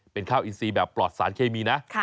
เป็นข้าวอินซีแบบปลอดสารเคมีนะ